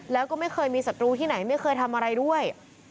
แล้วก็ไม่เคยมีศัตรูที่ไหนไม่เคยทำอะไรด้วย